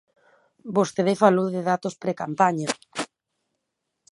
Vostede falou de datos precampaña.